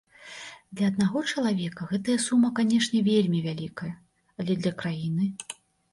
Для аднаго чалавека гэтая сума, канешне, вельмі вялікая, але для краіны?